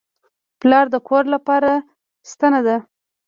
پلار د کور لپاره ستنه ده.